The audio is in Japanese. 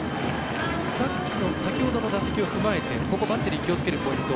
先ほどの打席を踏まえてバッテリー気をつけるポイント。